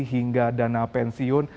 hingga dana pensiun